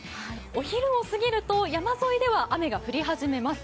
お昼をすぎると山沿いでは雨が降り始めます。